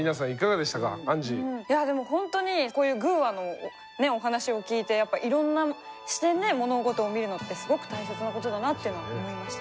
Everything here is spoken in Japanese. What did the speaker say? いやぁでもほんとにこういう「グぅ！話」のねお話を聞いてやっぱいろんな視点で物事を見るのってすごく大切なことだなって思いました。